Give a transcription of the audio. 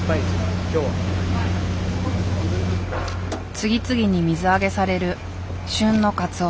次々に水揚げされる旬のカツオ。